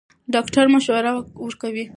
ډاکټره مشوره ورکوي.